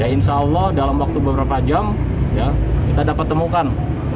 insya allah dalam waktu beberapa jam kita dapat temukan